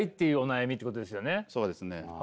そうですね。